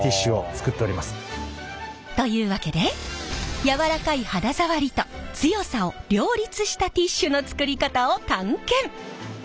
というわけで柔らかい肌触りと強さを両立したティッシュの作り方を探検！